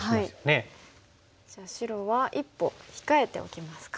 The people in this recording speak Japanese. じゃあ白は一歩控えておきますか。